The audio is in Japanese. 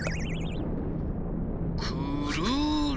くるり。